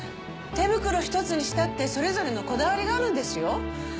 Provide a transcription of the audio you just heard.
手袋ひとつにしたってそれぞれのこだわりがあるんですよ。